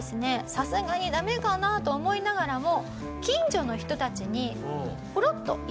さすがにダメかなと思いながらも近所の人たちにポロッと言います。